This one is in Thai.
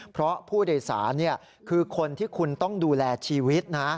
เพราะผู้โดยสารคือคนที่คุณต้องดูแลชีวิตนะ